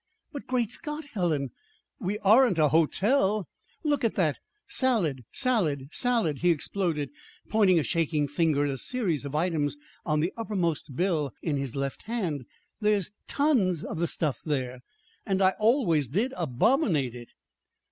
"But, great Scott, Helen! We aren't a hotel! Look at that 'salad' 'salad' 'salad,'" he exploded, pointing a shaking finger at a series of items on the uppermost bill in his left hand. "There's tons of the stuff there, and I always did abominate it!"